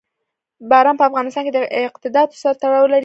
باران په افغانستان کې له اعتقاداتو سره تړاو لري.